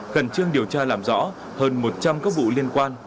gần chương điều tra làm rõ hơn một trăm linh các vụ liên quan